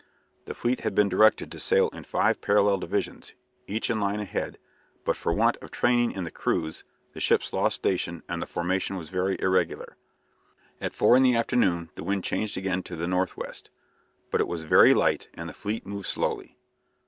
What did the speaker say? The fleet had been directed to sail in five parallel divisions, each in line ahead, but for want of training in the crews the ships lost station, and the formation was very irregular. At four in the afternoon the wind changed again to the north west, but it was very light and the fleet moved slowly.